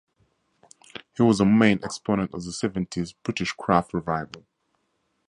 He was a main exponent of the seventies British Craft Revival.